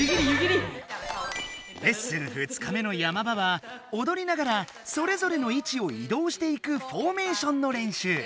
レッスン２日目の山場はおどりながらそれぞれの位置をいどうしていくフォーメーションの練習。